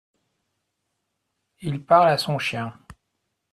Il parle à son chien.